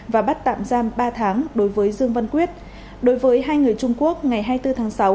và bắt tạm giam ba tháng đối với dương văn quyết đối với hai người trung quốc ngày hai mươi bốn tháng sáu